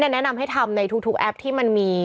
แนะนำให้ทำในทุกแอปที่มันมี